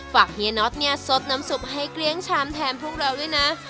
เฮียน็อตเนี่ยสดน้ำซุปให้เกลี้ยงชามแทนพวกเราด้วยนะ